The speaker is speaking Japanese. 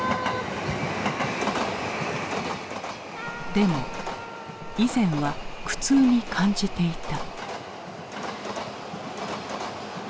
でも以前は苦痛に感じていた。